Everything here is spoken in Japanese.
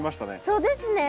そうですね。